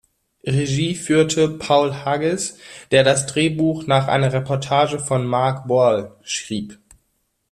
Regie führte Paul Haggis, der das Drehbuch nach einer Reportage von Mark Boal schrieb.